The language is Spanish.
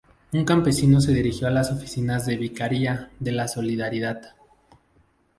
Un campesino se dirigió a las oficinas de la Vicaría de la Solidaridad.